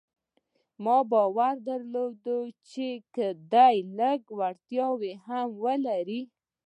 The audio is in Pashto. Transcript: ما باور درلود چې که دی لږ وړتيا هم ولري.